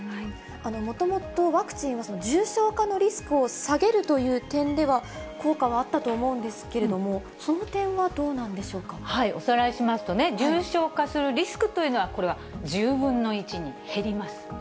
もともとワクチンは重症化のリスクを下げるという点では、効果はあったと思うんですけれどおさらいしますとね、重症化するリスクというのは、これは１０分の１に減ります。